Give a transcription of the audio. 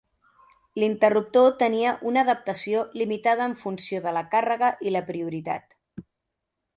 L'interruptor tenia una adaptació limitada en funció de la càrrega i la prioritat.